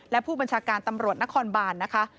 และผู้บัญชาการตำรวจนครบานนะคะ